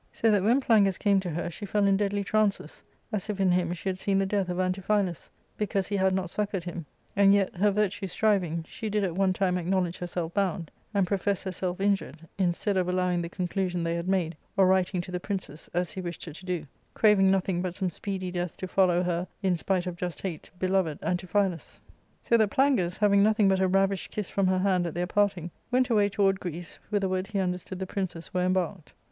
So that when Plangus came to her she fell in deadly trances, as if in him she had seen the death of Antiphilus, because he had not succoured him ; and yet, her virtue striving, she did at one time acknow ledge herself bound, and profess herself injured, instead of allowing the conclusion they had made, or writing to the princes, as he wished her to do, craving nothing but some speedy death to follow her, in spite of just hate, beloved Antiphilus. " So that Plangus, having nothing but a ravished kiss from her hand at their parting, went away toward Greece, whither ward he understood the princes were embarked.